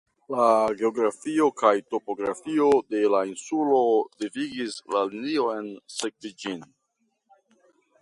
La geografio kaj topografio de la insulo devigis la linion sekvi ĝin.